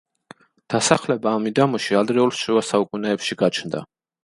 დასახლება ამ მიდამოში ადრეულ შუასაუკუნეებში გაჩნდა.